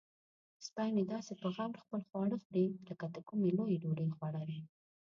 سپی مې داسې په غور خپل خواړه خوري لکه د کومې لویې ډوډۍ خوړل.